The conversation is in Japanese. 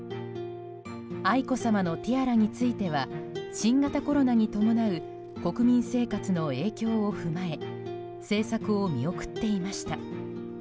愛子さまのティアラについては新型コロナに伴う国民生活の影響を踏まえ製作を見送っていました。